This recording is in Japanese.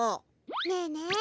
ねえねえ